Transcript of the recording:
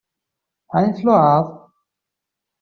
Ɛni tluɛaḍ?